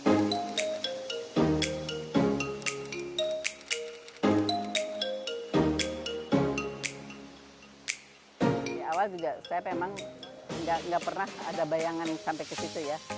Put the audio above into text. di awal juga saya memang nggak pernah ada bayangan sampai ke situ ya